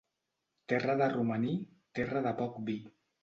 Terra de romaní, terra de poc vi.